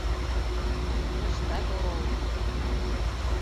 Тыштат орол!